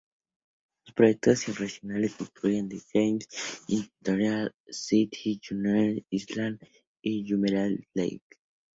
Sus proyectos residenciales incluyen The Gardens, International City, Jumeirah Islands y Jumeirah Lake Towers.